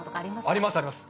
あります、あります。